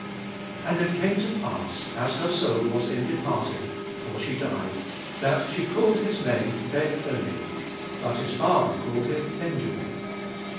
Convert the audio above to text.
"And it came to pass, as her soul was in departing (for she died), that she called his name Ben oni: but his father called him Benjamin."